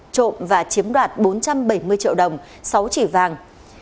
trộm và chiếm đoạt bốn trăm bảy mươi triệu đồng sáu chỉ vàng